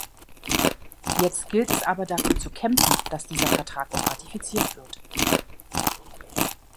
Jetzt gilt es aber dafür zu kämpfen, dass dieser Vertrag auch ratifiziert wird.